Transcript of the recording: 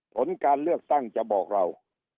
ผลการเลือกตั้งจะบอกเรา